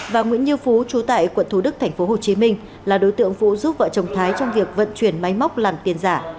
và nguyễn như phú chú tại quận thú đức tp hcm là đối tượng phụ giúp vợ chồng thái trong việc vận chuyển máy móc làm tiền giả